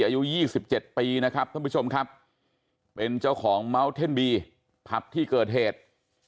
อายุ๒๗ปีนะครับท่านผู้ชมครับเป็นเจ้าของเมาส์เท่นบีผับที่เกิดเหตุ